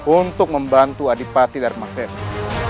untuk membantu adipati dan masyarakat